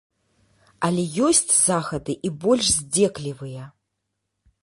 Але ёсць захады і больш здзеклівыя.